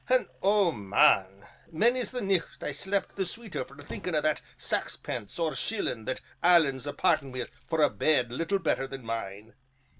An', oh, man! many's the nicht I've slept the sweeter for thinkin' o' that saxpence or shillin' that Alan's apartin' wi' for a bed little better than mine.